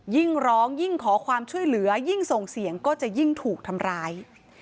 ยิ่งร้องยิ่งขอความช่วยเหลือยิ่งส่งเสียงก็จะยิ่งถูกทำร้าย